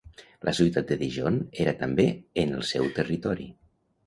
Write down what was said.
La ciutat de Dijon era també en el seu territori.